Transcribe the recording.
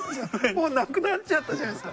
もうなくなっちゃったじゃないですか。